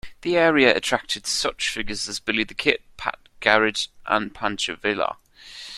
The area attracted such figures as Billy the Kid, Pat Garrett and Pancho Villa.